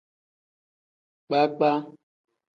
Kpakpa.